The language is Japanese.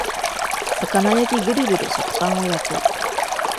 魚焼きグリルで食パンを焼く